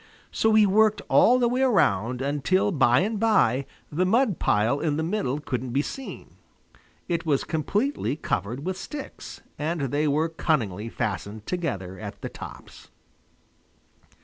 So he worked all the way around until by and by the mud pile in the middle couldn't be seen. It was completely covered with sticks, and they were cunningly fastened together at the tops.